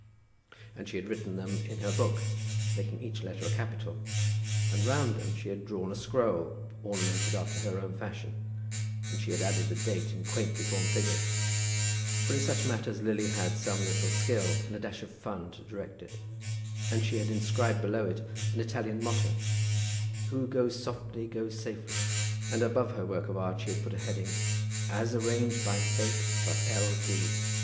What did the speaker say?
And she had written them in her book, making each letter a capital, and round them she had drawn a scroll, ornamented after her own fashion, and she had added the date in quaintly formed figures, for in such matters Lily had some little skill and a dash of fun to direct it; and she had inscribed below it an Italian motto, "Who goes softly, goes safely;" and above her work of art she had put a heading "As arranged by Fate for L. D."